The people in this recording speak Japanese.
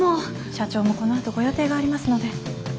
社長もこのあとご予定がありますので。